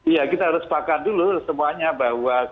iya kita harus paham dulu semuanya bahwa